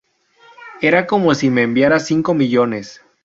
Era como si me enviara cinco millones"".